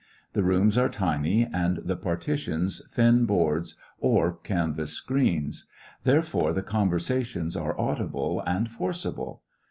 The rooms are tiny, and the partitions thin boards or canvas screens ; therefore the con versations are audible and forcible.